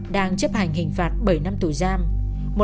đang chấp hành hình phạt bảy năm tù giam